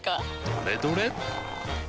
どれどれっ！